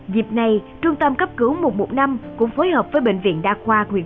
dịp này trung tâm cấp cứu một trăm một mươi năm cũng phối hợp với bệnh viện đa khoa huyện